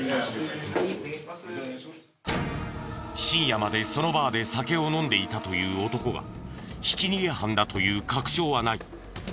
深夜までそのバーで酒を飲んでいたという男がひき逃げ犯だという確証はない。